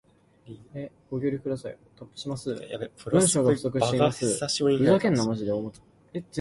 不能在一處縱談將來的好夢了，